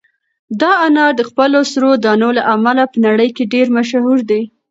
دا انار د خپلو سرو دانو له امله په نړۍ کې مشهور دي.